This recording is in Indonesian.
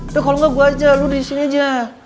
udah kalo enggak gue aja lo di sini aja